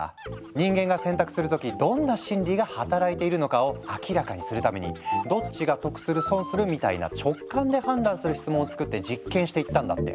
人間が選択する時どんな心理が働いているのかを明らかにするために「どっちが得する？損する？」みたいな直感で判断する質問を作って実験していったんだって。